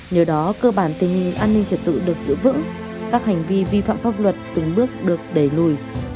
nhờ đó cơ bản tình hình an ninh trật tự được giữ vững các hành vi vi phạm pháp luật từng bước được đẩy lùi